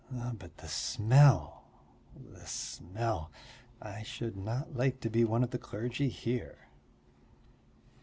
But the smell, the smell. I should not like to be one of the clergy here.